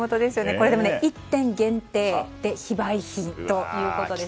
これ１点限定で非売品ということです。